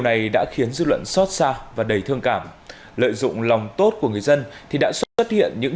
này đã khiến dư luận xót xa và đầy thương cảm lợi dụng lòng tốt của người dân thì đã xuất hiện những